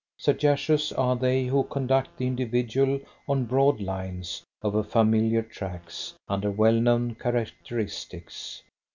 Sagacious are they who conduct the individual on broad lines, over familiar tracks, under well known characteristics.